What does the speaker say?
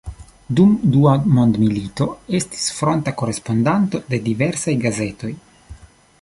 Dum dua mondmilito estis fronta korespondanto de diversaj gazetoj.